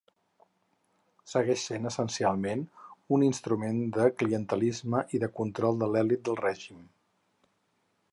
Segueix sent essencialment un instrument de clientelisme i de control de l'elit del règim.